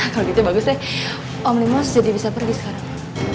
kalau gitu bagus deh omnibus jadi bisa pergi sekarang